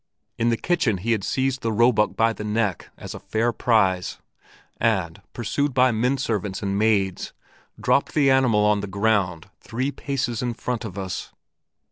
In the kitchen he had seized the roebuck by the neck as a fair prize, and, pursued by men servants and maids, dropped the animal on the ground three paces in front of us.